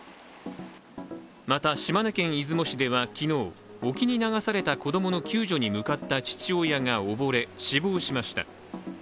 また、島根県出雲市では昨日沖に流された子供の救助に向かった父親が溺れ、死亡しました。